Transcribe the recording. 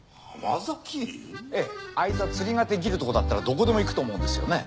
ええあいつは釣りができるとこだったらどこでも行くと思うんですよね。